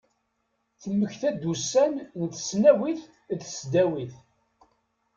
Temmekta-d ussan n tesnawit d tesdawit.